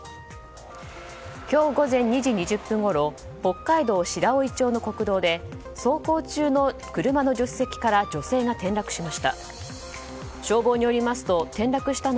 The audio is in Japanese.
今日午前２時２０分ごろ北海道白老町の国道で走行中の車の助手席から女性が転落しました。